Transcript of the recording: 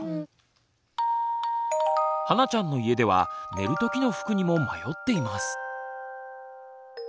はなちゃんの家では寝る時の服にも迷っています。